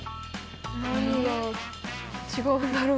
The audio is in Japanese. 何が違うんだろうね？